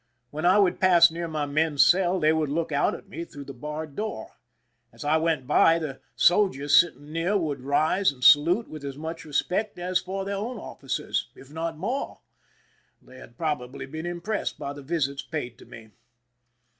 When I would pass near my men's cell, they would look out at me through the barred door. As I went by, the soldiers sit ting near would rise and salute with as much re spect as for their own officers, if not more; they had probably been impressed by the visits paid to me.